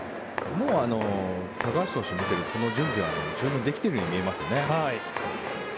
もう高橋投手を見ていると準備は十分できているように見えますね。